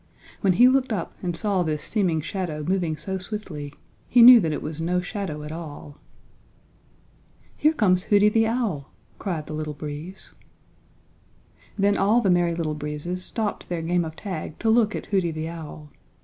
When he looked up and saw this seeming shadow moving so swiftly he knew that it was no shadow at all. "Here comes Hooty the Owl," cried the Little Breeze. Then all the Merry Little Breezes stopped their game of tag to look at Hooty the Owl.